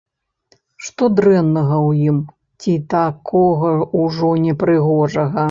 Што дрэннага ў ім ці такога ўжо непрыгожага?